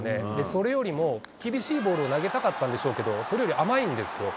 それよりも厳しいボールを投げたかったんでしょうけど、それより甘いんですよ。